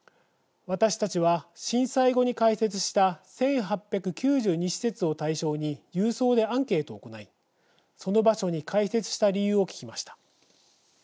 私たちは震災後に開設した１８９２施設を対象に郵送でアンケートを行いその場所に開設した理由を聞きました。